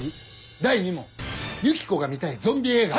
第２問ユキコが見たいゾンビ映画は？